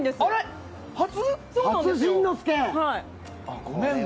初新之助！